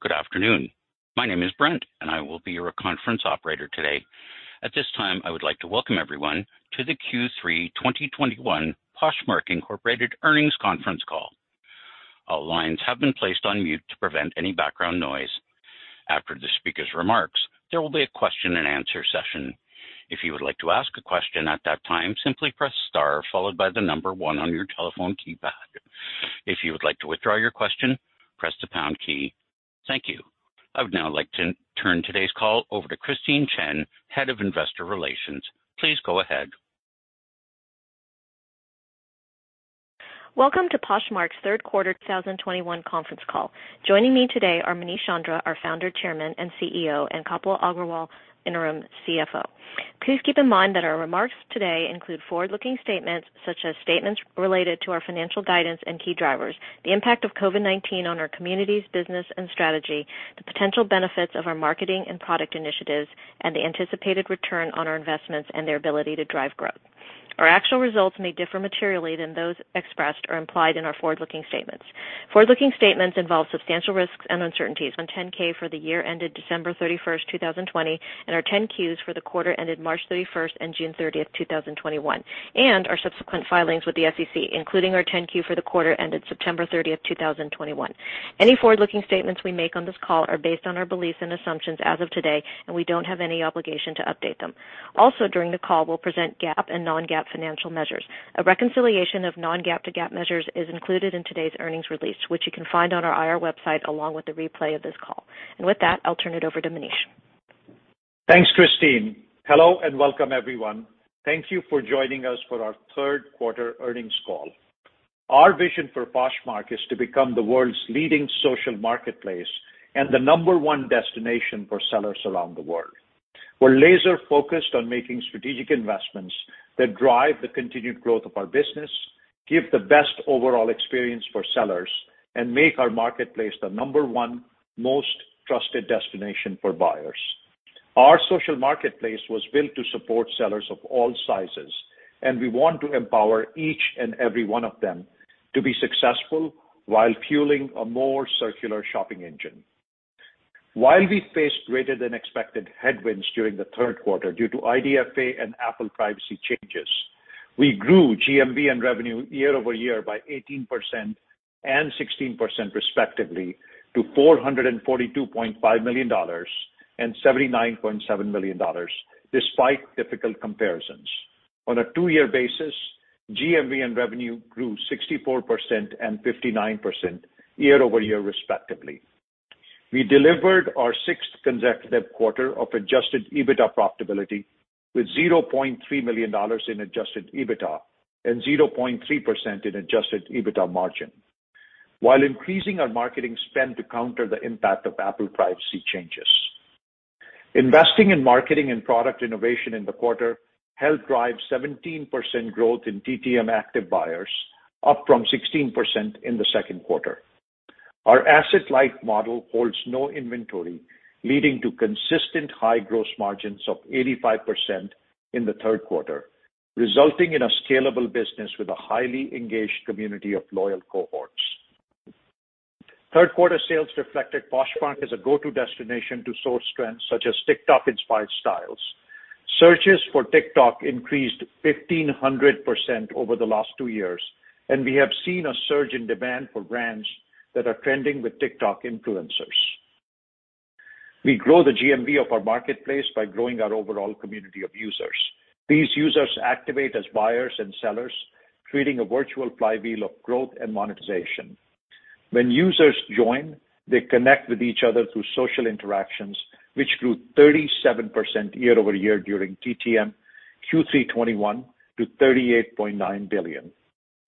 Good afternoon. My name is Brent, and I will be your conference operator today. At this time, I would like to welcome everyone to the Q3 2021 Poshmark, Inc. earnings conference call. All lines have been placed on mute to prevent any background noise. After the speaker's remarks, there will be a question and answer session. If you would like to ask a question at that time, simply press star followed by the number one on your telephone keypad. If you would like to withdraw your question, press the pound key. Thank you. I would now like to turn today's call over to Christine Chen, Head of Investor Relations. Please go ahead. Welcome to Poshmark's Q3 2021 conference call. Joining me today are Manish Chandra, our Founder, Chairman, and CEO, and Kapil Agrawal, Interim CFO. Please keep in mind that our remarks today include forward-looking statements such as statements related to our financial guidance and key drivers, the impact of COVID-19 on our communities, business, and strategy, the potential benefits of our marketing and product initiatives, and the anticipated return on our investments and their ability to drive growth. Our actual results may differ materially than those expressed or implied in our forward-looking statements. Forward-looking statements involve substantial risks and uncertainties on 10-K for the year ended December 31, 2020, and our 10-Qs for the quarter ended March 31 and June 30, 2021, and our subsequent filings with the SEC, including our 10-Q for the quarter ended September 30, 2021. Any forward-looking statements we make on this call are based on our beliefs and assumptions as of today, and we don't have any obligation to update them. Also during the call, we'll present GAAP and non-GAAP financial measures. A reconciliation of non-GAAP to GAAP measures is included in today's earnings release, which you can find on our IR website along with the replay of this call. With that, I'll turn it over to Manish. Thanks, Christine. Hello, and welcome, everyone. Thank you for joining us for our Q3 earnings call. Our vision for Poshmark is to become the world's leading social marketplace and the number one destination for sellers around the world. We're laser-focused on making strategic investments that drive the continued growth of our business, give the best overall experience for sellers, and make our marketplace the number one most trusted destination for buyers. Our social marketplace was built to support sellers of all sizes, and we want to empower each and every one of them to be successful while fueling a more circular shopping engine. While we faced greater than expected headwinds during the Q3 due to IDFA and Apple privacy changes, we grew GMV and revenue year-over-year by 18% and 16% respectively to $442.5 million and $79.7 million despite difficult comparisons. On a two-year basis, GMV and revenue grew 64% and 59% year-over-year respectively. We delivered our sixth consecutive quarter of adjusted EBITDA profitability with $0.3 million in adjusted EBITDA and 0.3% in adjusted EBITDA margin while increasing our marketing spend to counter the impact of Apple privacy changes. Investing in marketing and product innovation in the quarter helped drive 17% growth in TTM active buyers, up from 16% in the Q2. Our asset-light model holds no inventory, leading to consistent high gross margins of 85% in the Q3, resulting in a scalable business with a highly engaged community of loyal cohorts. Q3 sales reflected Poshmark as a go-to destination to source trends such as TikTok-inspired styles. Searches for TikTok increased 1,500% over the last two years, and we have seen a surge in demand for brands that are trending with TikTok influencers. We grow the GMV of our marketplace by growing our overall community of users. These users activate as buyers and sellers, creating a virtual flywheel of growth and monetization. When users join, they connect with each other through social interactions, which grew 37% year-over-year during TTM Q3 2021 to $38.9 billion.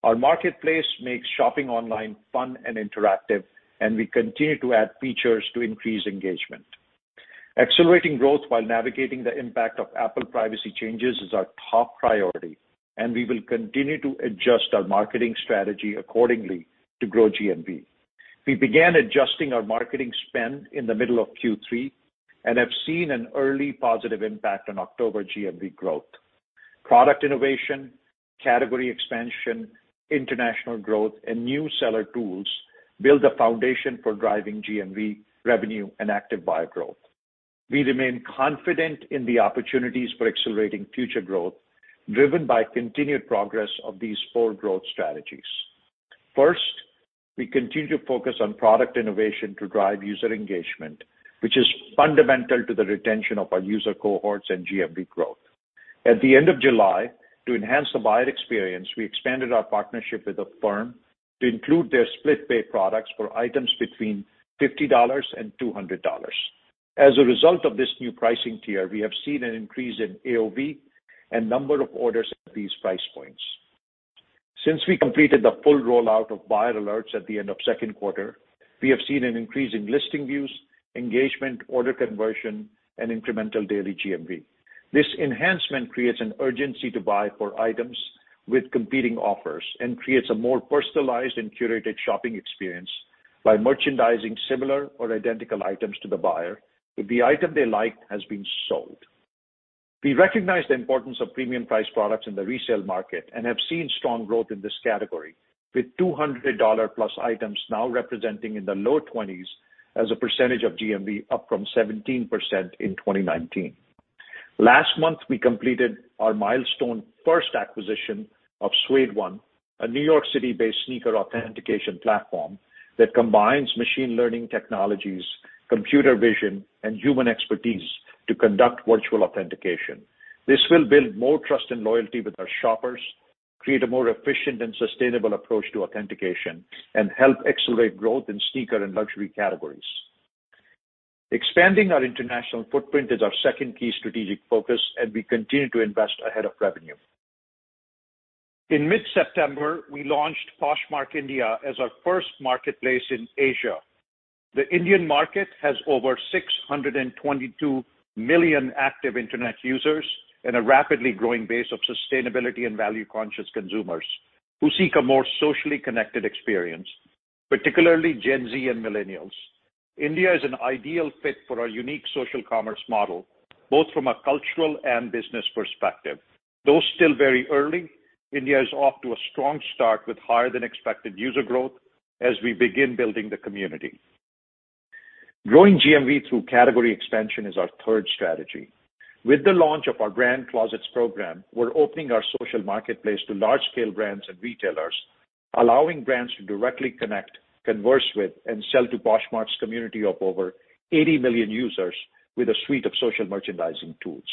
Our marketplace makes shopping online fun and interactive, and we continue to add features to increase engagement. Accelerating growth while navigating the impact of Apple privacy changes is our top priority, and we will continue to adjust our marketing strategy accordingly to grow GMV. We began adjusting our marketing spend in the middle of Q3 and have seen an early positive impact on October GMV growth. Product innovation, category expansion, international growth, and new seller tools build a foundation for driving GMV, revenue, and active buyer growth. We remain confident in the opportunities for accelerating future growth driven by continued progress of these four growth strategies. First, we continue to focus on product innovation to drive user engagement, which is fundamental to the retention of our user cohorts and GMV growth. At the end of July, to enhance the buyer experience, we expanded our partnership with Affirm to include their split pay products for items between $50 and $200. As a result of this new pricing tier, we have seen an increase in AOV and number of orders at these price points. Since we completed the full rollout of buyer alerts at the end of Q2, we have seen an increase in listing views, engagement, order conversion, and incremental daily GMV. This enhancement creates an urgency to buy for items with competing offers and creates a more personalized and curated shopping experience by merchandising similar or identical items to the buyer if the item they like has been sold. We recognize the importance of premium price products in the resale market and have seen strong growth in this category, with $200+ items now representing in the low 20s% of GMV, up from 17% in 2019. Last month, we completed our milestone first acquisition of Suede One, a New York City-based sneaker authentication platform that combines machine learning technologies, computer vision, and human expertise to conduct virtual authentication. This will build more trust and loyalty with our shoppers, create a more efficient and sustainable approach to authentication, and help accelerate growth in sneaker and luxury categories. Expanding our international footprint is our second key strategic focus, and we continue to invest ahead of revenue. In mid-September, we launched Poshmark India as our first marketplace in Asia. The Indian market has over 622 million active internet users and a rapidly growing base of sustainability and value-conscious consumers who seek a more socially connected experience, particularly Gen Z and millennials. India is an ideal fit for our unique social commerce model, both from a cultural and business perspective. Though still very early, India is off to a strong start with higher than expected user growth as we begin building the community. Growing GMV through category expansion is our third strategy. With the launch of our Brand Closet program, we're opening our social marketplace to large-scale brands and retailers, allowing brands to directly connect, converse with, and sell to Poshmark's community of over 80 million users with a suite of social merchandising tools.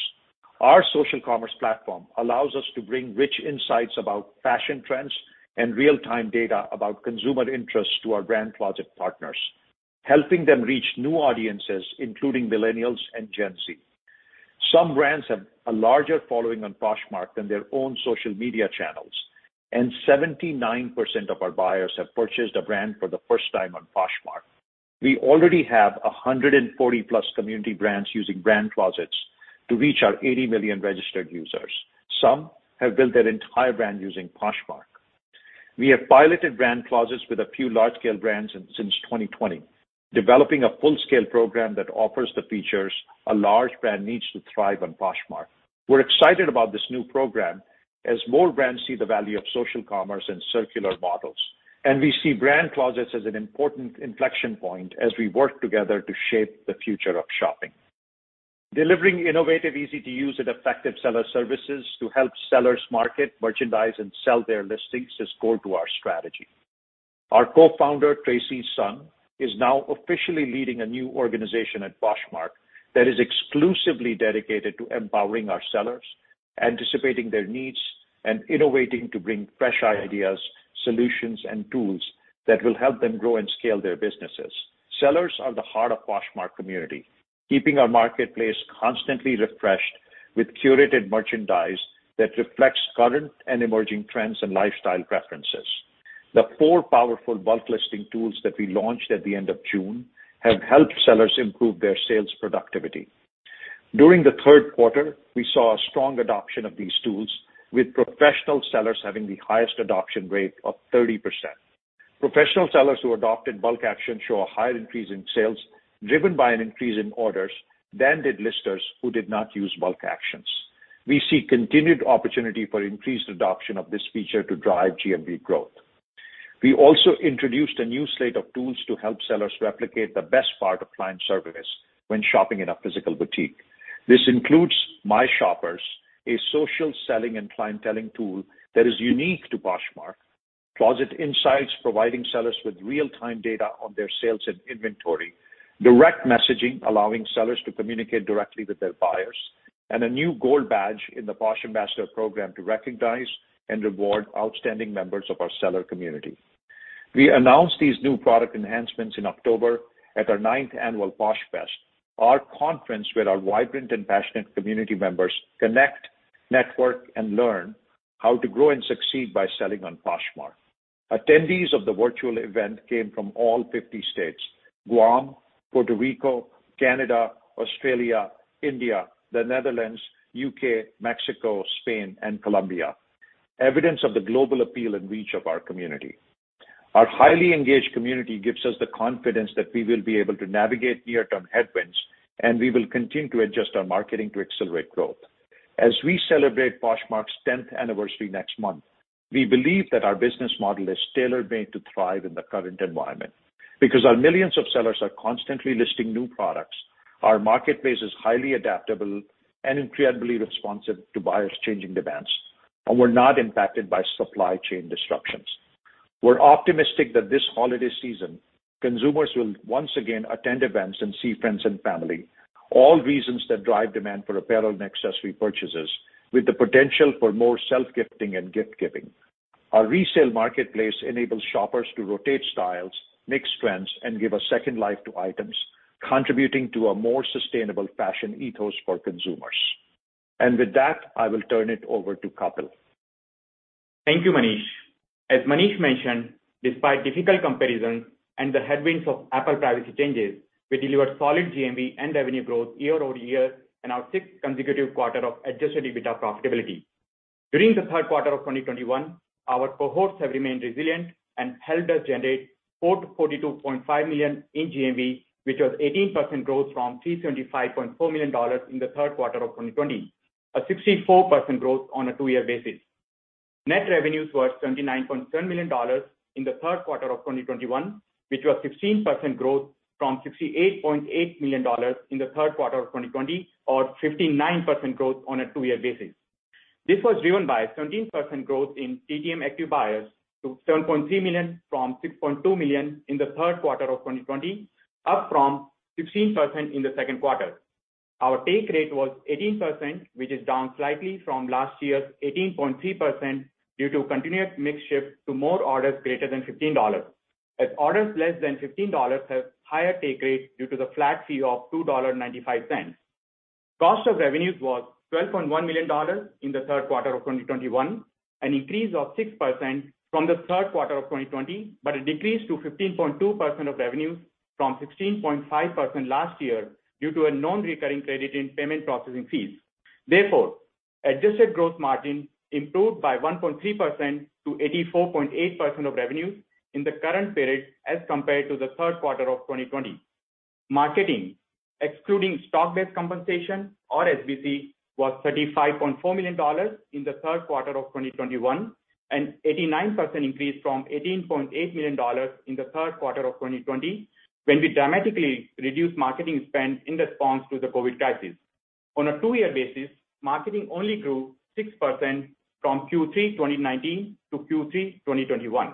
Our social commerce platform allows us to bring rich insights about fashion trends and real-time data about consumer interest to our Brand Closet partners, helping them reach new audiences, including millennials and Gen Z. Some brands have a larger following on Poshmark than their own social media channels, and 79% of our buyers have purchased a brand for the first time on Poshmark. We already have 140+ community brands using Brand Closets to reach our 80 million registered users. Some have built their entire brand using Poshmark. We have piloted Brand Closets with a few large-scale brands since 2020, developing a full-scale program that offers the features a large brand needs to thrive on Poshmark. We're excited about this new program as more brands see the value of social commerce and circular models, and we see Brand Closets as an important inflection point as we work together to shape the future of shopping. Delivering innovative, easy to use, and effective seller services to help sellers market, merchandise, and sell their listings is core to our strategy. Our co-founder, Tracy Sun, is now officially leading a new organization at Poshmark that is exclusively dedicated to empowering our sellers, anticipating their needs, and innovating to bring fresh ideas, solutions, and tools that will help them grow and scale their businesses. Sellers are the heart of Poshmark community, keeping our marketplace constantly refreshed with curated merchandise that reflects current and emerging trends and lifestyle preferences. The four powerful bulk listing tools that we launched at the end of June have helped sellers improve their sales productivity. During the Q3, we saw a strong adoption of these tools, with professional sellers having the highest adoption rate of 30%. Professional sellers who adopted bulk action show a higher increase in sales driven by an increase in orders than did listers who did not use bulk actions. We see continued opportunity for increased adoption of this feature to drive GMV growth. We also introduced a new slate of tools to help sellers replicate the best part of client service when shopping in a physical boutique. This includes My Shoppers, a social selling and clienteling tool that is unique to Poshmark, Closet Insights, providing sellers with real-time data on their sales and inventory, direct messaging, allowing sellers to communicate directly with their buyers, and a new gold badge in the Posh Ambassador program to recognize and reward outstanding members of our seller community. We announced these new product enhancements in October at our ninth annual Posh Fest, our conference where our vibrant and passionate community members connect, network, and learn how to grow and succeed by selling on Poshmark. Attendees of the virtual event came from all 50 states, Guam, Puerto Rico, Canada, Australia, India, the Netherlands, U.K., Mexico, Spain, and Colombia. Evidence of the global appeal and reach of our community. Our highly engaged community gives us the confidence that we will be able to navigate near-term headwinds, and we will continue to adjust our marketing to accelerate growth. As we celebrate Poshmark's 10th anniversary next month, we believe that our business model is tailor-made to thrive in the current environment. Because our millions of sellers are constantly listing new products, our marketplace is highly adaptable and incredibly responsive to buyers' changing demands, and we're not impacted by supply chain disruptions. We're optimistic that this holiday season, consumers will once again attend events and see friends and family, all reasons that drive demand for apparel and accessory purchases with the potential for more self-gifting and gift-giving. Our resale marketplace enables shoppers to rotate styles, mix trends, and give a second life to items, contributing to a more sustainable fashion ethos for consumers. And with that, I will turn it over to Kapil. Thank you, Manish. As Manish mentioned, despite difficult comparisons and the headwinds of Apple privacy changes, we delivered solid GMV and revenue growth year-over-year in our sixth consecutive quarter of adjusted EBITDA profitability. During the Q3 of 2021, our cohorts have remained resilient and helped us generate $442.5 million in GMV, which was 18% growth from $375.4 million in the Q3 of 2020. A 64% growth on a two-year basis. Net revenues were $79.7 million in the Q3 of 2021, which was 16% growth from $68.8 million in the Q3 of 2020 or 59% growth on a two-year basis. This was driven by a 17% growth in TTM active buyers to 7.3 million from 6.2 million in the Q3 of 2020, up from 16% in the Q2. Our take rate was 18%, which is down slightly from last year's 18.3% due to continued mix shift to more orders greater than $15, as orders less than $15 have higher take rates due to the flat fee of $2.95. Cost of revenues was $12.1 million in the Q3 of 2021, an increase of 6% from the Q3 of 2020, but a decrease to 15.2% of revenues from 16.5% last year due to a non-recurring credit in payment processing fees. Therefore, adjusted growth margin improved by 1.3% to 84.8% of revenues in the current period as compared to the Q3 of 2020. Marketing, excluding stock-based compensation or SBC, was $35.4 million in the Q3 of 2021, an 89% increase from $18.8 million in the Q3 of 2020, when we dramatically reduced marketing spend in response to the COVID crisis. On a two-year basis, marketing only grew 6% from Q3 2019 to Q3 2021.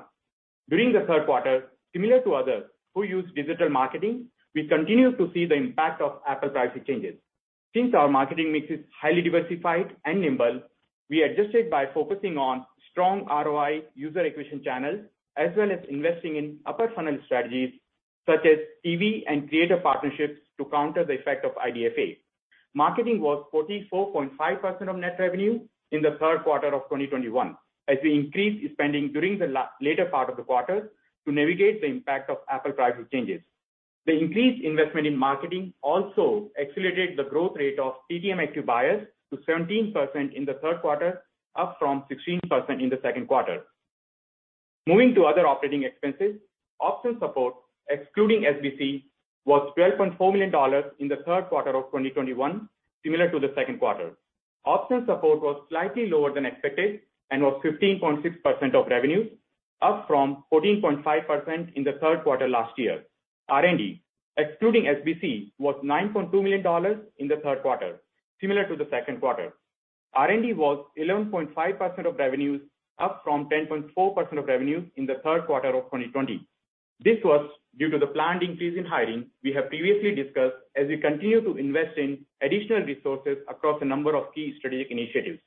During the Q3, similar to others who use digital marketing, we continue to see the impact of Apple privacy changes. Since our marketing mix is highly diversified and nimble, we adjusted by focusing on strong ROI user acquisition channels as well as investing in upper funnel strategies such as TV and creator partnerships to counter the effect of IDFA. Marketing was 44.5% of net revenue in the Q3 of 2021 as we increased spending during the later part of the quarter to navigate the impact of Apple privacy changes. The increased investment in marketing also accelerated the growth rate of TTM active buyers to 17% in the Q3, up from 16% in the Q2. Moving to other operating expenses, which include R&D and G&A excluding SBC, were $12.4 million in the Q3 of 2021, similar to the Q2. Option support was slightly lower than expected and was 15.6% of revenues, up from 14.5% in the Q3 last year. R&D, excluding SBC, was $9.2 million in the Q3, similar to the Q2. R&D was 11.5% of revenues, up from 10.4% of revenues in the Q3 of 2020. This was due to the planned increase in hiring we have previously discussed as we continue to invest in additional resources across a number of key strategic initiatives.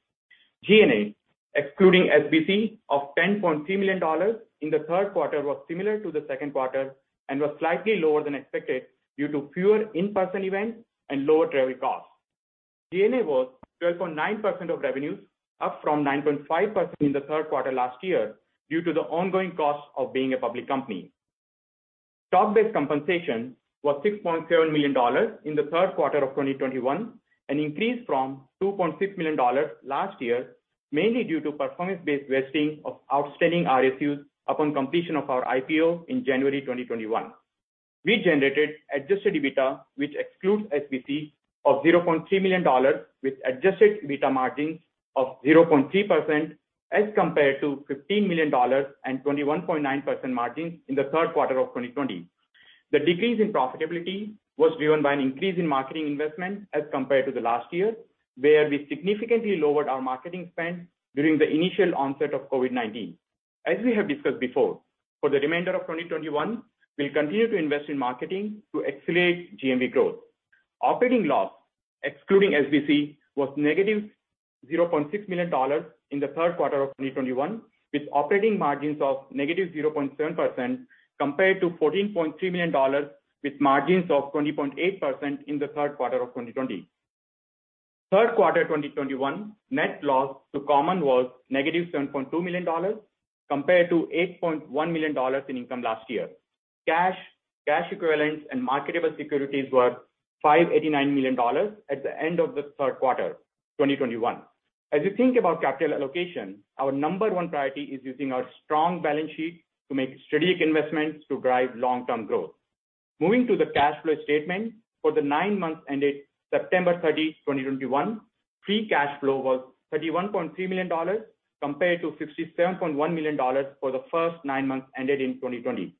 G&A, excluding SBC, of $10.3 million in the Q3, was similar to the Q2 and was slightly lower than expected due to fewer in-person events and lower travel costs. G&A was 12.9% of revenues, up from 9.5% in the Q3 last year due to the ongoing costs of being a public company. Stock-based compensation was $6.7 million in the Q3 of 2021, an increase from $2.6 million last year, mainly due to performance-based vesting of outstanding RSUs upon completion of our IPO in January 2021. We generated adjusted EBITDA, which excludes SBC, of $0.3 million with adjusted EBITDA margins of 0.3% as compared to $15 million and 21.9% margins in the Q3 of 2020. The decrease in profitability was driven by an increase in marketing investment as compared to the last year, where we significantly lowered our marketing spend during the initial onset of COVID-19. As we have discussed before, for the remainder of 2021, we'll continue to invest in marketing to accelerate GMV growth. Operating loss, excluding SBC, was -$0.6 million in the Q3 of 2021, with operating margins of -0.7% compared to $14.3 million with margins of 20.8% in the Q3 of 2020. Q3 2021 net loss to common was -$7.2 million compared to $8.1 million in income last year. Cash, cash equivalents and marketable securities were $589 million at the end of the Q3 2021. As you think about capital allocation, our number one priority is using our strong balance sheet to make strategic investments to drive long-term growth. Moving to the cash flow statement, for the nine months ended September 30, 2021, free cash flow was $31.3 million compared to $67.1 million for the first nine months ended in 2020.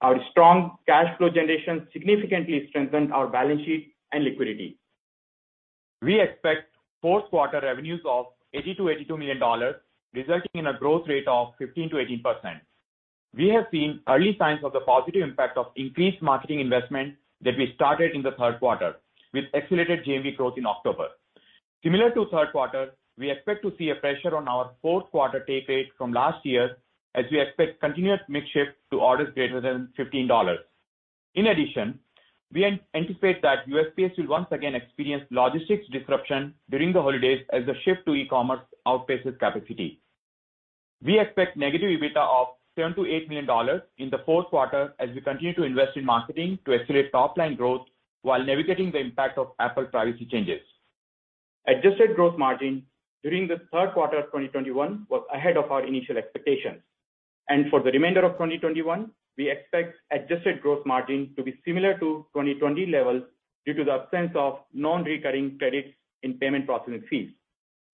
Our strong cash flow generation significantly strengthened our balance sheet and liquidity. We expect Q4 revenues of $80 million-$82 million, resulting in a growth rate of 15%-18%. We have seen early signs of the positive impact of increased marketing investment that we started in the Q3 with accelerated GMV growth in October. Similar to Q3, we expect to see a pressure on our Q4 take rate from last year as we expect continued mix shift to orders greater than $15. In addition, we anticipate that USPS will once again experience logistics disruption during the holidays as the shift to e-commerce outpaces capacity. We expect negative EBITDA of $7 million-$8 million in the Q4 as we continue to invest in marketing to accelerate top line growth while navigating the impact of Apple privacy changes. Adjusted gross margin during the Q3 of 2021 was ahead of our initial expectations. And for the remainder of 2021, we expect adjusted gross margin to be similar to 2020 levels due to the absence of non-recurring credits in payment processing fees.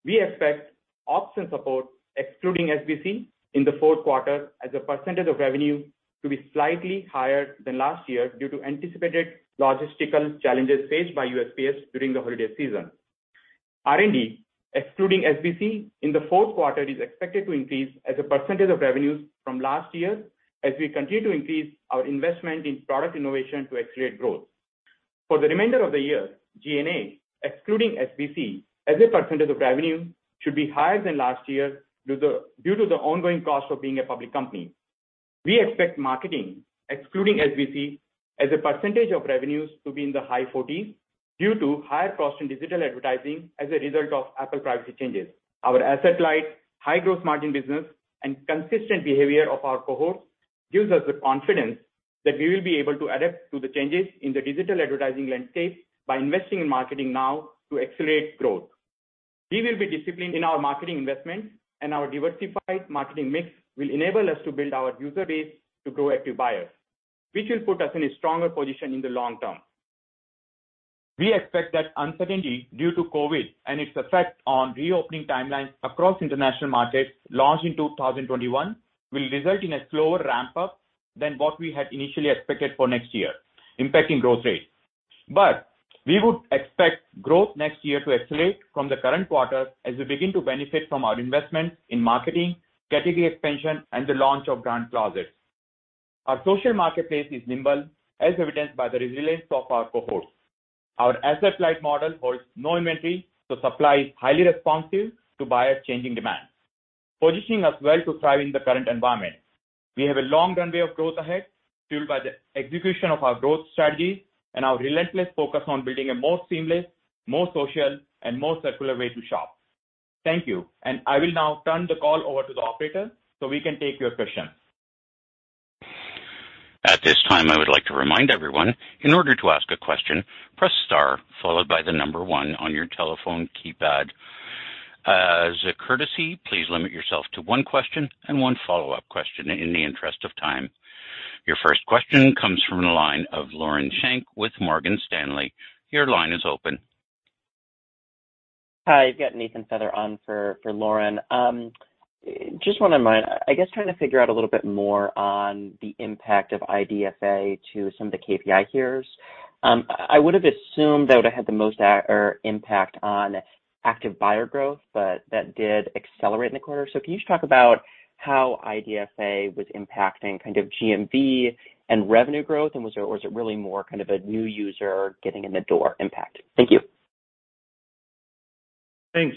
We expect ops and support, excluding SBC, in the Q4 as a percentage of revenue to be slightly higher than last year due to anticipated logistical challenges faced by USPS during the holiday season. R&D, excluding SBC, in the Q4 is expected to increase as a percentage of revenues from last year as we continue to increase our investment in product innovation to accelerate growth. For the remainder of the year, G&A, excluding SBC, as a percentage of revenue, should be higher than last year due to the ongoing cost of being a public company. We expect marketing, excluding SBC, as a percentage of revenues to be in the high 40s% due to higher cost in digital advertising as a result of Apple privacy changes. Our asset-light, high growth margin business and consistent behavior of our cohorts gives us the confidence that we will be able to adapt to the changes in the digital advertising landscape by investing in marketing now to accelerate growth. We will be disciplined in our marketing investments, and our diversified marketing mix will enable us to build our user base to grow active buyers, which will put us in a stronger position in the long term. We expect that uncertainty due to COVID and its effect on reopening timelines across international markets launched in 2021 will result in a slower ramp up than what we had initially expected for next year, impacting growth rate. But we would expect growth next year to accelerate from the current quarter as we begin to benefit from our investment in marketing, category expansion, and the launch of Brand Closet. Our social marketplace is nimble, as evidenced by the resilience of our cohorts. Our asset-light model holds no inventory, so supply is highly responsive to buyer changing demand, positioning us well to thrive in the current environment. We have a long runway of growth ahead, fueled by the execution of our growth strategy and our relentless focus on building a more seamless, more social and more circular way to shop. Thank you. And I will now turn the call over to the operator, so we can take your questions. At this time, I would like to remind everyone, in order to ask a question, press star followed by the number one on your telephone keypad. As a courtesy, please limit yourself to one question and one follow-up question in the interest of time. Your first question comes from the line of Lauren Schenk with Morgan Stanley. Your line is open. Hi. You've got Nathan Feather on for Lauren. Just wanted, I guess, trying to figure out a little bit more on the impact of IDFA to some of the KPI here. I would have assumed that would have had the most impact on active buyer growth, but that did accelerate in the quarter. Can you just talk about how IDFA was impacting kind of GMV and revenue growth, and was it really more kind of a new user getting in the door impact? Thank you. Thanks.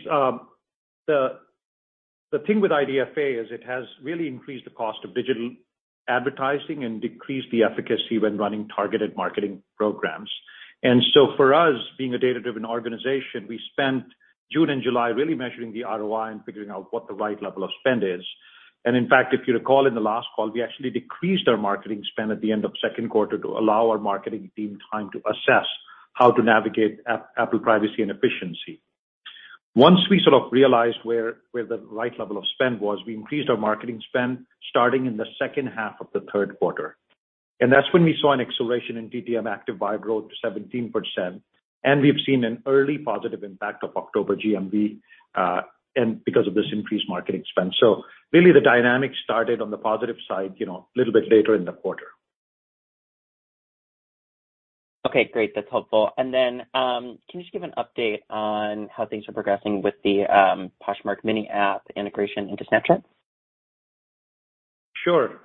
The thing with IDFA is it has really increased the cost of digital advertising and decreased the efficacy when running targeted marketing programs. And so for us, being a data-driven organization, we spent June and July really measuring the ROI and figuring out what the right level of spend is. And in fact, if you recall in the last call, we actually decreased our marketing spend at the end of Q2 to allow our marketing team time to assess how to navigate Apple privacy and efficiency. Once we sort of realized where the right level of spend was, we increased our marketing spend starting in the second half of the Q3. And that's when we saw an acceleration in TTM active buyer growth to 17%. And we've seen an early positive impact of October GMV and because of this increased marketing spend. So really the dynamics started on the positive side, you know, a little bit later in the quarter. Okay, great. That's helpful. And then can you just give an update on how things are progressing with the Poshmark Mini app integration into Snapchat? Sure.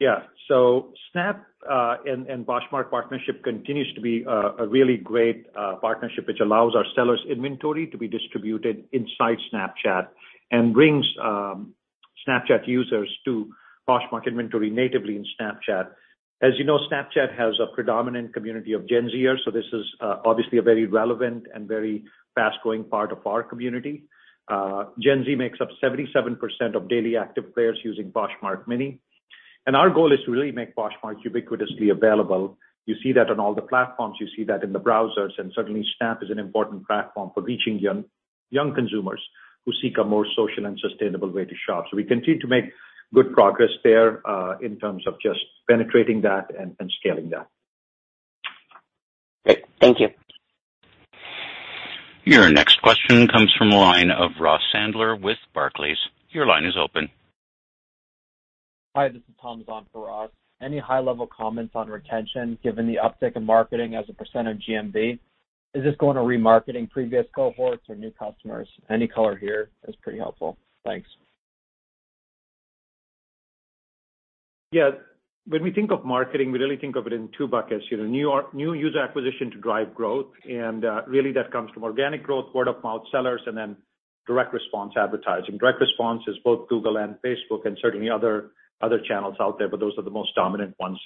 Yeah. So Snap and Poshmark partnership continues to be a really great partnership, which allows our sellers inventory to be distributed inside Snapchat and brings Snapchat users to Poshmark inventory natively in Snapchat. As you know, Snapchat has a predominant community of Gen Zers, so this is obviously a very relevant and very fast-growing part of our community. Gen Z makes up 77% of daily active players using Poshmark Mini. And our goal is to really make Poshmark ubiquitously available. You see that on all the platforms, you see that in the browsers, and certainly Snap is an important platform for reaching young consumers who seek a more social and sustainable way to shop. We continue to make good progress there in terms of just penetrating that and scaling that. Great. Thank you. Your next question comes from the line of Ross Sandler with Barclays. Your line is open. Hi, this is Tom on for Ross. Any high-level comments on retention, given the uptick in marketing as a percent of GMV? Is this going to remarketing previous cohorts or new customers? Any color here is pretty helpful. Thanks. Yeah. When we think of marketing, we really think of it in two buckets. You know, new user acquisition to drive growth, and really that comes from organic growth, word of mouth sellers, and then direct response advertising. Direct response is both Google and Facebook and certainly other channels out there, but those are the most dominant ones.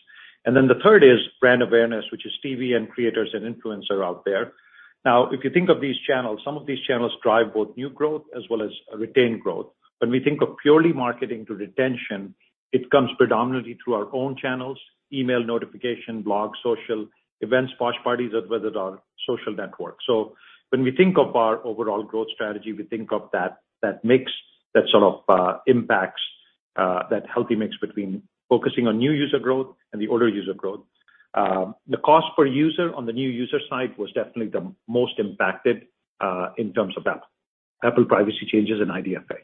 And then the third is brand awareness, which is TV and creators and influencer out there. Now, if you think of these channels, some of these channels drive both new growth as well as retained growth. And when we think of purely marketing to retention, it comes predominantly through our own channels, email notification, blog, social, events, Posh Parties, as well as our social network. So when we think of our overall growth strategy, we think of that sort of impacts that healthy mix between focusing on new user growth and the older user growth. The cost per user on the new user side was definitely the most impacted in terms of Apple privacy changes and IDFA.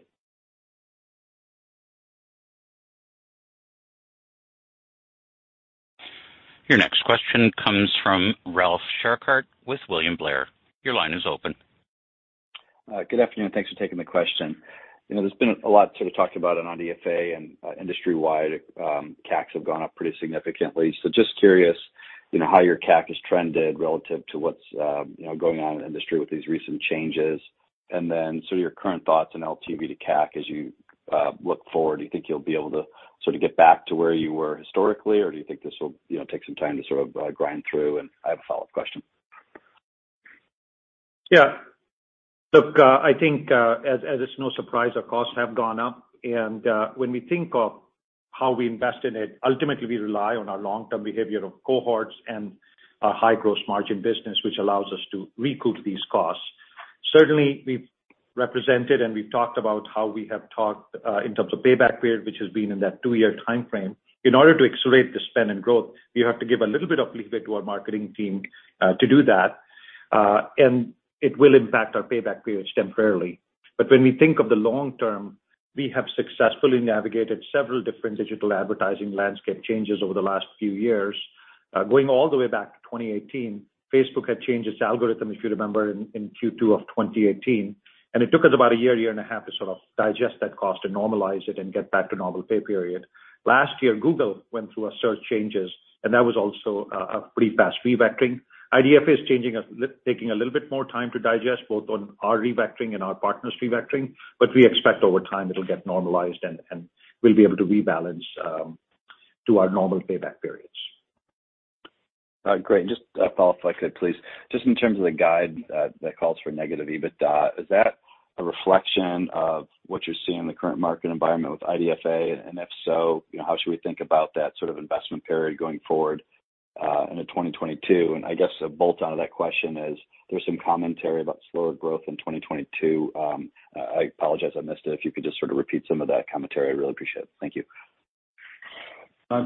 Your next question comes from Ralph Schackart with William Blair. Your line is open. Good afternoon. Thanks for taking the question. You know, there's been a lot sort of talked about on IDFA and, industry-wide, taxes have gone up pretty significantly. So just curious, you know, how your CAC has trended relative to what's, you know, going on in the industry with these recent changes. Sort of your current thoughts on LTV to CAC as you, look forward. Do you think you'll be able to sort of get back to where you were historically? Or do you think this will, you know, take some time to sort of, grind through? I have a follow-up question. Yeah. Look, I think, as it's no surprise, our costs have gone up. And when we think of how we invest in it, ultimately we rely on our long-term behavior of cohorts and our high gross margin business, which allows us to recoup these costs. Certainly, we've represented and we've talked about how we have talked in terms of payback period, which has been in that two-year timeframe. In order to accelerate the spend and growth, we have to give a little bit of leeway to our marketing team to do that, and it will impact our payback periods temporarily. But when we think of the long term, we have successfully navigated several different digital advertising landscape changes over the last few years. Going all the way back to 2018, Facebook had changed its algorithm, if you remember, in Q2 of 2018, and it took us about a year and a half to sort of digest that cost and normalize it and get back to normal payback period. Last year, Google went through a search changes, and that was also a pretty fast revectoring. IDFA is changing taking a little bit more time to digest, both on our revectoring and our partners revectoring, but we expect over time it'll get normalized and we'll be able to rebalance to our normal payback periods. Great. Just a follow-up if I could please. Just in terms of the guide, that calls for negative EBITDA, is that a reflection of what you're seeing in the current market environment with IDFA? And if so, you know, how should we think about that sort of investment period going forward into 2022? And I guess a bolt-on to that question is there's some commentary about slower growth in 2022. I apologize, I missed it. If you could just sort of repeat some of that commentary, I really appreciate it. Thank you.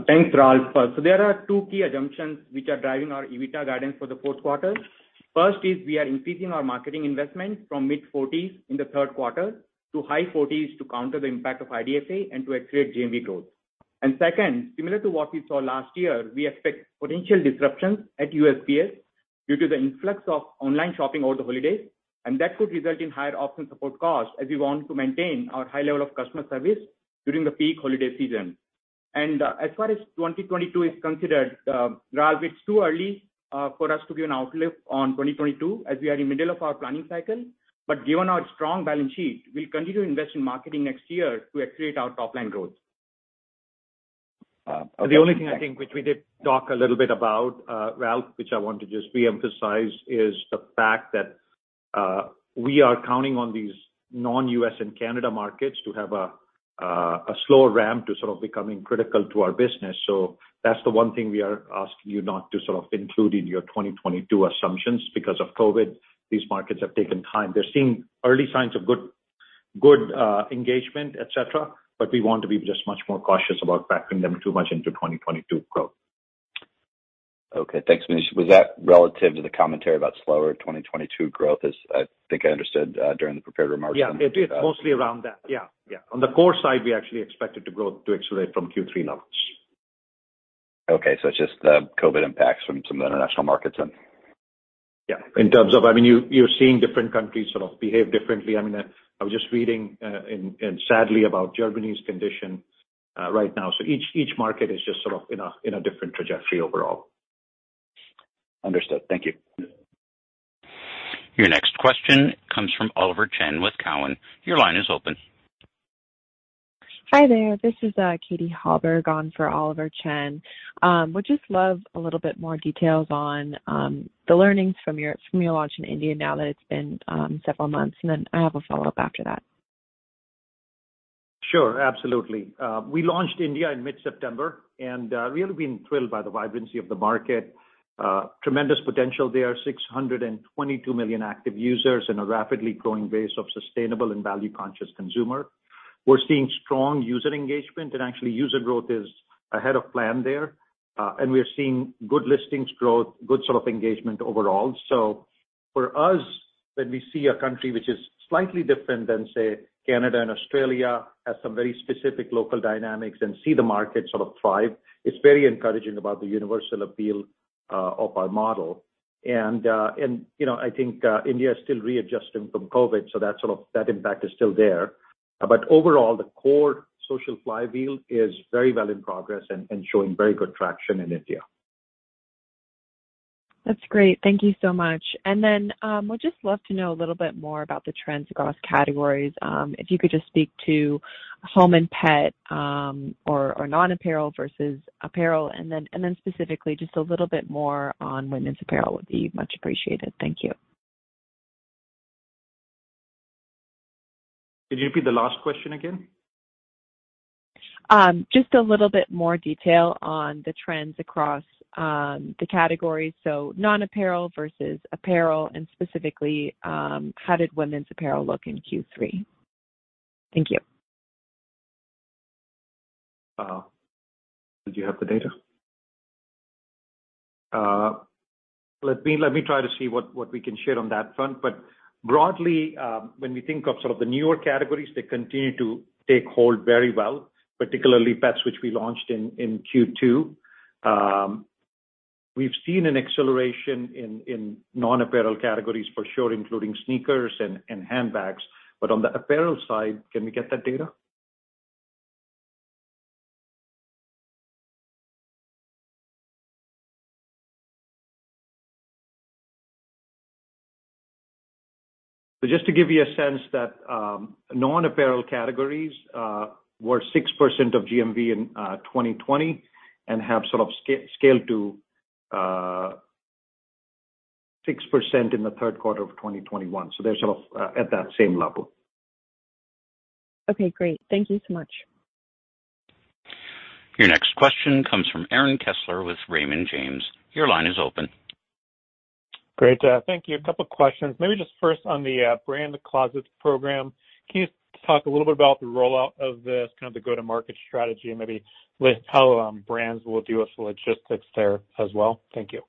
Thanks, Ralph. There are two key assumptions which are driving our EBITDA guidance for the Q4. First is we are increasing our marketing investment from mid-40s% in the Q3 to high 40s% to counter the impact of IDFA and to accelerate GMV growth. And second, similar to what we saw last year, we expect potential disruptions at USPS due to the influx of online shopping over the holidays, and that could result in higher ops support costs as we want to maintain our high level of customer service during the peak holiday season. And as far as 2022 is concerned, Ralph, it's too early for us to give an outlook on 2022 as we are in middle of our planning cycle. But given our strong balance sheet, we'll continue to invest in marketing next year to accelerate our top-line growth. Okay. The only thing I think which we did talk a little bit about, Ralph, which I want to just reemphasize, is the fact that, we are counting on these non-U.S. and Canada markets to have a slower ramp to sort of becoming critical to our business. So that's the one thing we are asking you not to sort of include in your 2022 assumptions. Because of COVID, these markets have taken time. They're seeing early signs of good engagement, et cetera, but we want to be just much more cautious about factoring them too much into 2022 growth. Okay. Thanks, Manish. Was that relative to the commentary about slower 2022 growth, as I think I understood, during the prepared remarks? Yeah. It is mostly around that. Yeah. Yeah. On the core side, we actually expect it to accelerate from Q3 levels. Okay. It's just COVID impacts from some of the international markets then. Yeah. In terms of, I mean, you're seeing different countries sort of behave differently. I mean, I was just reading, and sadly about Germany's condition, right now. So each market is just sort of in a different trajectory overall. Understood. Thank you. Your next question comes from Oliver Chen with Cowen. Your line is open. Hi there. This is Katy Hallberg on for Oliver Chen. Would just love a little bit more details on the learnings from your launch in India now that it's been several months, and then I have a follow-up after that. Sure. Absolutely. We launched India in mid-September, and really been thrilled by the vibrancy of the market. Tremendous potential. There are 622 million active users and a rapidly growing base of sustainable and value-conscious consumer. We're seeing strong user engagement, and actually user growth is ahead of plan there. And we are seeing good listings growth, good sort of engagement overall. For us, when we see a country which is slightly different than, say, Canada and Australia, has some very specific local dynamics and see the market sort of thrive, it's very encouraging about the universal appeal of our model. And, you know, I think India is still readjusting from COVID, so that sort of impact is still there. Overall, the core social flywheel is very well in progress and showing very good traction in India. That's great. Thank you so much. And then would just love to know a little bit more about the trends across categories. If you could just speak to home and pet, or non-apparel versus apparel, and then specifically just a little bit more on women's apparel would be much appreciated. Thank you. Could you repeat the last question again? Just a little bit more detail on the trends across the categories, so non-apparel versus apparel, and specifically, how did women's apparel look in Q3? Thank you. Did you have the data? Let me try to see what we can share on that front. But broadly, when we think of sort of the newer categories, they continue to take hold very well, particularly pets, which we launched in Q2. We've seen an acceleration in non-apparel categories for sure, including sneakers and handbags. But on the apparel side. Can we get that data? Just to give you a sense that non-apparel categories were 6% of GMV in 2020 and have sort of scaled to 6% in the Q3 of 2021. So they're sort of at that same level. Okay, great. Thank you so much. Your next question comes from Aaron Kessler with Raymond James. Your line is open. Great. Thank you. A couple questions. Maybe just first on the Brand Closet program. Can you talk a little bit about the rollout of this, kind of the go-to-market strategy and maybe with how brands will deal with the logistics there as well? Thank you.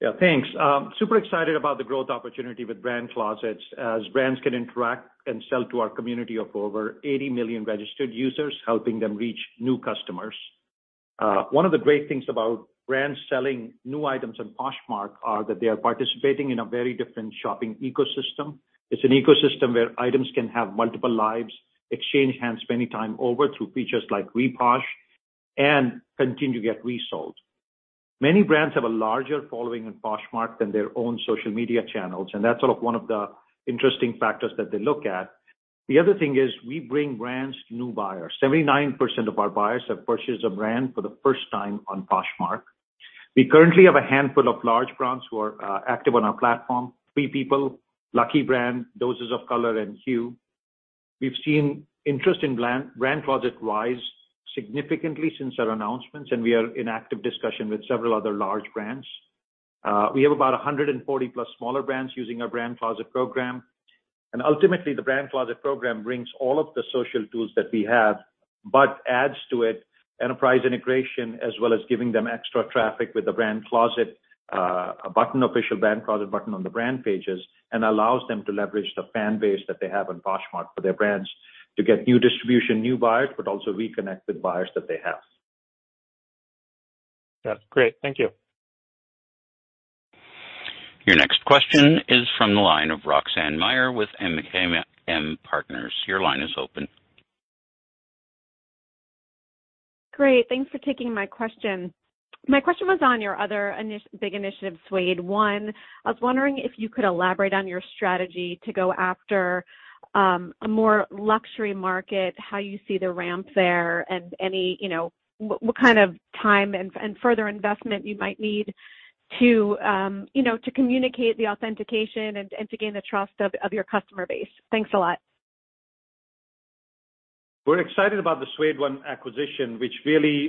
Yeah, thanks. Super excited about the growth opportunity with Brand Closet as brands can interact and sell to our community of over 80 million registered users, helping them reach new customers. One of the great things about brands selling new items on Poshmark are that they are participating in a very different shopping ecosystem. It's an ecosystem where items can have multiple lives, exchange hands many times over through features like Reposh, and continue to get resold. Many brands have a larger following on Poshmark than their own social media channels, and that's sort of one of the interesting factors that they look at. The other thing is we bring brands to new buyers. 79% of our buyers have purchased a brand for the first time on Poshmark. We currently have a handful of large brands who are active on our platform, Free People, Lucky Brand, Dose of Colors, and HUE. We've seen interest in Brand Closet rise significantly since our announcements, and we are in active discussion with several other large brands. We have about 140+ smaller brands using our Brand Closet program. And ultimately, the Brand Closet program brings all of the social tools that we have but adds to it enterprise integration, as well as giving them extra traffic with the Brand Closet button, official Brand Closet button on the brand pages and allows them to leverage the fan base that they have on Poshmark for their brands to get new distribution, new buyers, but also reconnect with buyers that they have. That's great. Thank you. Your next question is from the line of Roxanne Meyer with MKM Partners. Your line is open. Great. Thanks for taking my question. My question was on your other big initiative, Suede One. I was wondering if you could elaborate on your strategy to go after a more luxury market, how you see the ramp there, and any, you know, what kind of time and further investment you might need to, you know, to communicate the authentication and to gain the trust of your customer base. Thanks a lot. We're excited about the Suede One acquisition, which really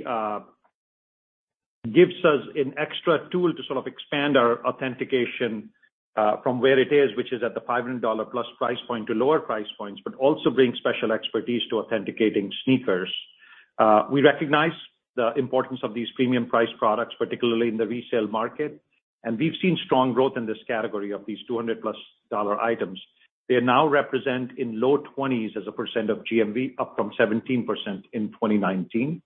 gives us an extra tool to sort of expand our authentication from where it is, which is at the $500+ price point to lower price points, but also brings special expertise to authenticating sneakers. We recognize the importance of these premium price products, particularly in the resale market, and we've seen strong growth in this category of these $200+ items. They now represent in low 20s% of GMV, up from 17% in 2019.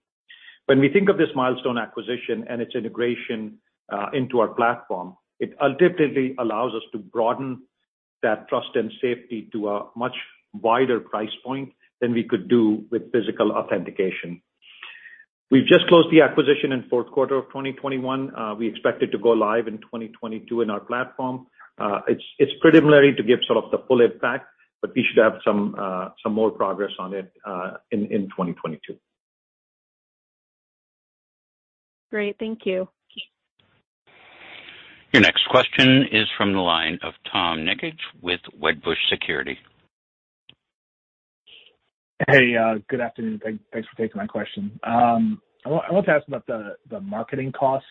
When we think of this milestone acquisition and its integration into our platform, it ultimately allows us to broaden that trust and safety to a much wider price point than we could do with physical authentication. We've just closed the acquisition in Q4 of 2021. We expect it to go live in 2022 in our platform. It's preliminary to give sort of the full impact, but we should have some more progress on it in 2022. Great. Thank you. Your next question is from the line of Tom Nikic with Wedbush Securities. Hey, good afternoon. Thanks for taking my question. I wanted to ask about the marketing cost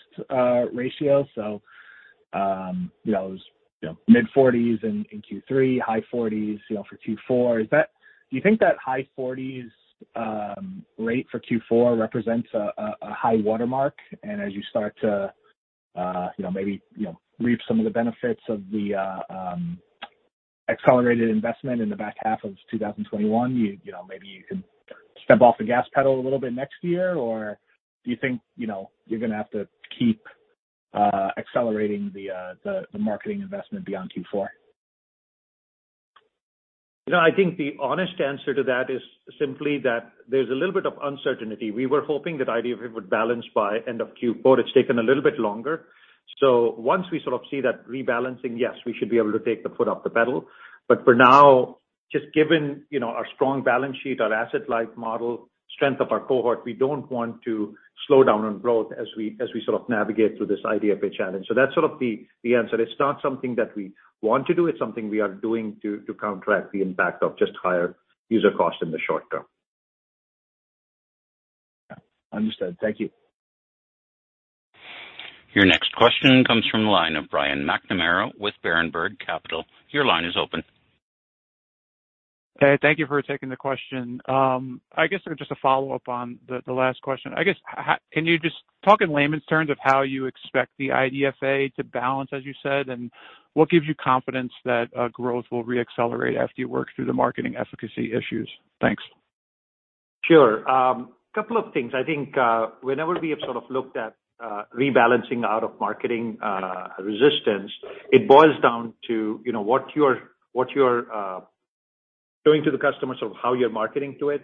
ratio. So, you know, it was you know, mid-40s% in Q3, high 40s%, you know, for Q4. Is that do you think that high 40s% rate for Q4 represents a high watermark? Anc as you start to you know, maybe you know, reap some of the benefits of the accelerated investment in the back half of 2021, you know, maybe you can step off the gas pedal a little bit next year, or do you think you know, you're gonna have to keep accelerating the marketing investment beyond Q4? You know, I think the honest answer to that is simply that there's a little bit of uncertainty. We were hoping that IDFA would balance by end of Q4. It's taken a little bit longer. So once we sort of see that rebalancing, yes, we should be able to take the foot off the pedal. But for now, just given, you know, our strong balance sheet, our asset-light model, strength of our cohort, we don't want to slow down on growth as we sort of navigate through this IDFA challenge. So that's sort of the answer. It's not something that we want to do, it's something we are doing to counteract the impact of just higher user cost in the short term. Yeah. Understood. Thank you. Your next question comes from the line of Brian McNamara with Berenberg Capital. Your line is open. Hey, thank you for taking the question. I guess there's just a follow-up on the last question. I guess, can you just talk in layman's terms of how you expect the IDFA to balance, as you said, and what gives you confidence that growth will reaccelerate after you work through the marketing efficacy issues? Thanks. Sure. Couple of things. I think, whenever we have sort of looked at rebalancing out of marketing efficiency, it boils down to, you know, what you're doing to the customer, so how you're marketing to it,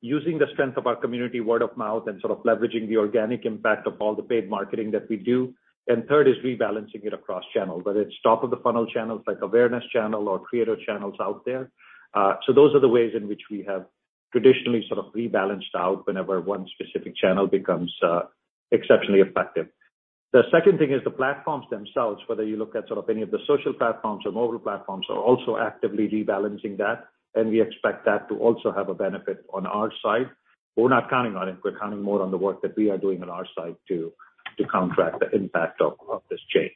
using the strength of our community, word of mouth, and sort of leveraging the organic impact of all the paid marketing that we do. And third is rebalancing it across channels, whether it's top of the funnel channels like awareness channel or creative channels out there. So those are the ways in which we have traditionally sort of rebalanced out whenever one specific channel becomes exceptionally effective. The second thing is the platforms themselves, whether you look at sort of any of the social platforms or mobile platforms, are also actively rebalancing that, and we expect that to also have a benefit on our side. We're not counting on it. We're counting more on the work that we are doing on our side to counteract the impact of this change.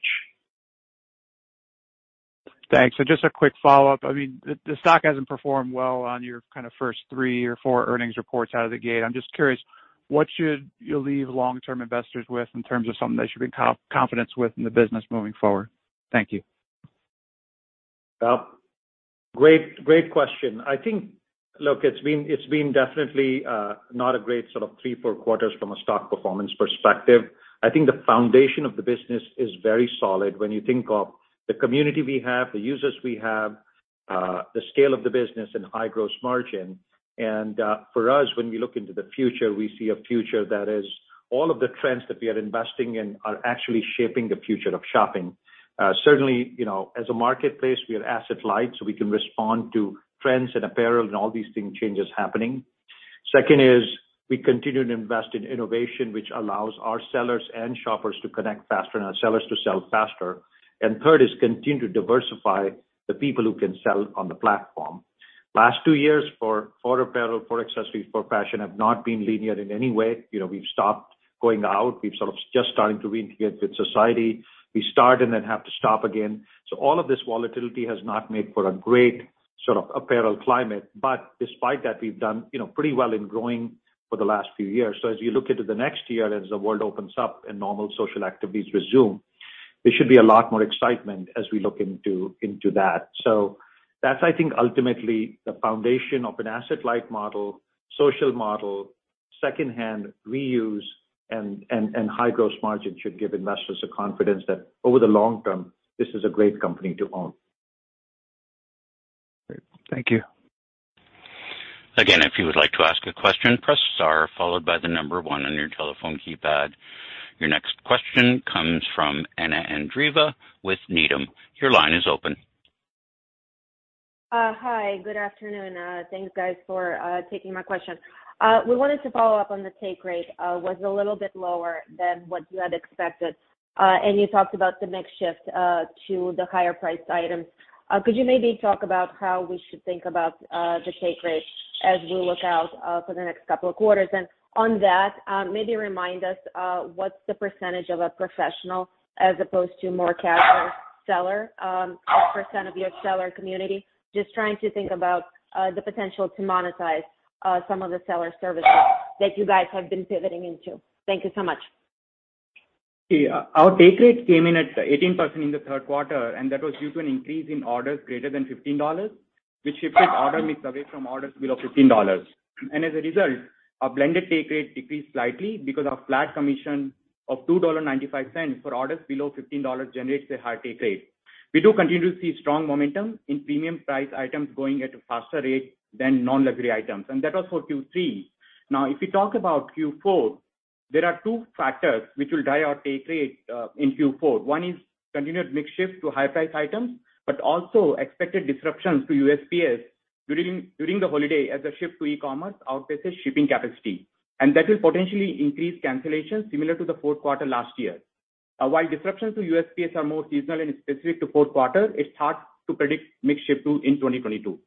Thanks. Just a quick follow-up. I mean, the stock hasn't performed well on your kind of first three or four earnings reports out of the gate. I'm just curious, what should you leave long-term investors with in terms of something they should be confident with in the business moving forward? Thank you. Well, great question. I think. Look, it's been definitely not a great sort of three, four quarters from a stock performance perspective. I think the foundation of the business is very solid when you think of the community we have, the users we have, the scale of the business and high gross margin. And for us, when we look into the future, we see a future that is all of the trends that we are investing in are actually shaping the future of shopping. Certainly, you know, as a marketplace, we are asset light, so we can respond to trends and apparel and all these things changes happening. Second is we continue to invest in innovation, which allows our sellers and shoppers to connect faster and our sellers to sell faster. And third is continue to diversify the people who can sell on the platform. Last two years for apparel, for accessories, for fashion have not been linear in any way. You know, we've stopped going out. We've sort of just starting to reintegrate with society. We start and then have to stop again. So all of this volatility has not made for a great sort of apparel climate. But despite that, we've done, you know, pretty well in growing for the last few years. As you look into the next year, as the world opens up and normal social activities resume, there should be a lot more excitement as we look into that. So that's, I think, ultimately the foundation of an asset-light model, social model, secondhand reuse and high gross margin should give investors the confidence that over the long term, this is a great company to own. Great. Thank you. Your next question comes from Anna Andreeva with Needham. Your line is open. Hi. Good afternoon. Thanks guys for taking my question. We wanted to follow up on the take rate was a little bit lower than what you had expected. And you talked about the mix shift to the higher priced items. Could you maybe talk about how we should think about the take rate as we look out for the next couple of quarters? On that, maybe remind us what's the percentage of a professional as opposed to more casual seller, what percent of your seller community? Just trying to think about the potential to monetize some of the seller services that you guys have been pivoting into. Thank you so much. Yeah. Our take rate came in at 18% in the Q3, and that was due to an increase in orders greater than $15, which shifted order mix away from orders below $15. And as a result, our blended take rate decreased slightly because our flat commission of $2.95 for orders below $15 generates a high take rate. We do continue to see strong momentum in premium price items going at a faster rate than non-luxury items, and that was for Q3. Now, if you talk about Q4, there are two factors which will drive our take rate in Q4. One is continued mix shift to high price items, but also expected disruptions to USPS during the holiday as a shift to e-commerce outpaces shipping capacity. And that will potentially increase cancellations similar to the Q4 last year. While disruptions to USPS are more seasonal and specific to Q4, it's hard to predict mix shift, too, in 2022.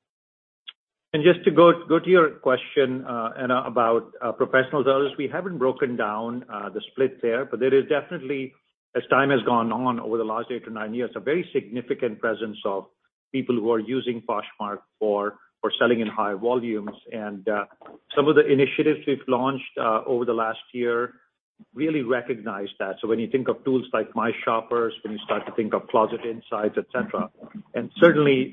Just to go to your question, Anna, about professional sellers. We haven't broken down the split there, but there is definitely, as time has gone on over the last eight-nine years, a very significant presence of people who are using Poshmark for selling in high volumes. Some of the initiatives we've launched over the last year really recognize that. So when you think of tools like My Shoppers, when you start to think of Closet Insights, et cetera. And certainly,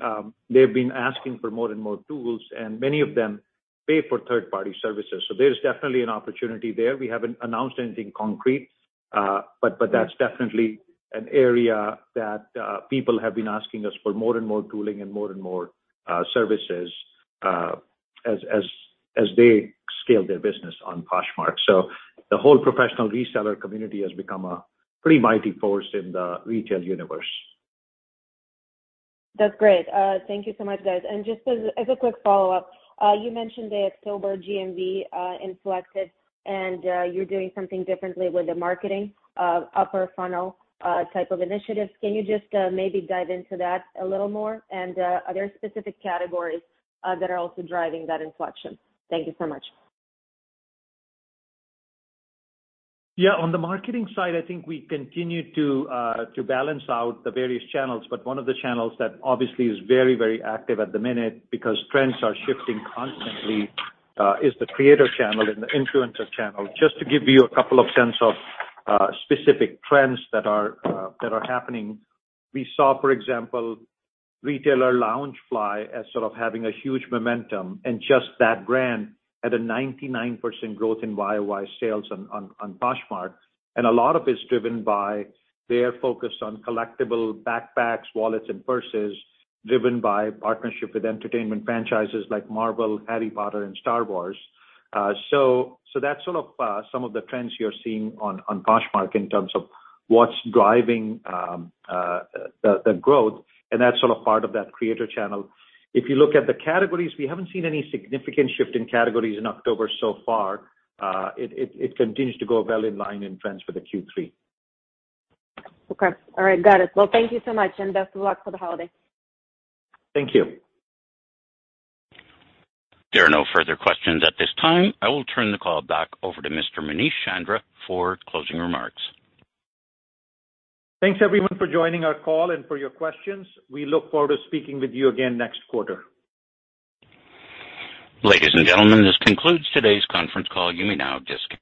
they've been asking for more and more tools, and many of them pay for third-party services. So there's definitely an opportunity there. We haven't announced anything concrete. But that's definitely an area that people have been asking us for more and more tooling and more and more services as they scale their business on Poshmark. So the whole professional reseller community has become a pretty mighty force in the retail universe. That's great. Thank you so much, guys. And just as a quick follow-up, you mentioned the October GMV inflection, and you're doing something differently with the marketing upper funnel type of initiatives. Can you just maybe dive into that a little more? And are there specific categories that are also driving that inflection? Thank you so much. Yeah. On the marketing side, I think we continue to balance out the various channels, but one of the channels that obviously is very, very active at the minute because trends are shifting constantly is the creator channel and the influencer channel. Just to give you a sense of specific trends that are happening, we saw, for example, retailer Loungefly as sort of having a huge momentum, and just that brand had a 99% growth in Y-O-Y sales on Poshmark. And a lot of it's driven by their focus on collectible backpacks, wallets and purses, driven by partnership with entertainment franchises like Marvel, Harry Potter and Star Wars. So that's sort of some of the trends you're seeing on Poshmark in terms of what's driving the growth, and that's sort of part of that creator channel. If you look at the categories, we haven't seen any significant shift in categories in October so far. It, it continues to go well in line with trends for the Q3. Okay. All right. Got it. Well, thank you so much, and best of luck for the holiday. Thank you. There are no further questions at this time. I will turn the call back over to Mr. Manish Chandra for closing remarks. Thanks, everyone, for joining our call and for your questions. We look forward to speaking with you again next quarter. Ladies and gentlemen, this concludes today's conference call. You may now disconnect.